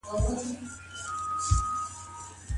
د مېرمني کړي احسانونه هيڅکله مه هېروئ.